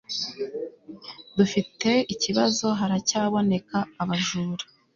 dufite ikibazo haracyaboneka abajura